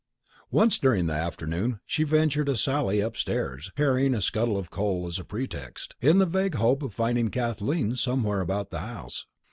Once during the afternoon she ventured a sally upstairs (carrying a scuttle of coal as a pretext) in the vague hope of finding Kathleen somewhere about the house.